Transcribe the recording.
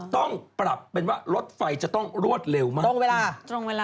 ต้องปรับเป็นว่ารถไฟจะต้องรวดเร็วมากขึ้น